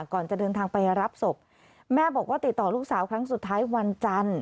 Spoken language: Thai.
ก่อนจะเดินทางไปรับศพแม่บอกว่าติดต่อลูกสาวครั้งสุดท้ายวันจันทร์